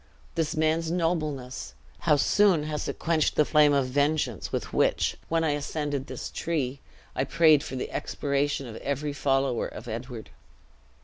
This man's nobleness, how soon has it quenched the flame of vengeance with which, when I ascended this tree, I prayed for the extirpation of every follower of Edward!"